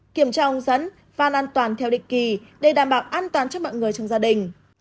kiểm tra ông dẫn phan an toàn theo định kỳ để đảm bảo an toàn cho mọi người trong gia đình